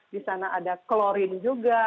di sana ada klorin juga